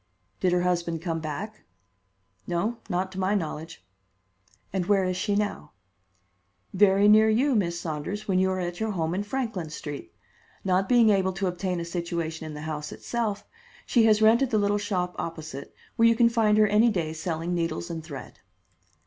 "Did her husband come back?" "No, not to my knowledge." "And where is she now?" "Very near you, Miss Saunders, when you are at your home in Franklin Street. Not being able to obtain a situation in the house itself, she has rented the little shop opposite, where you can find her any day selling needles and thread."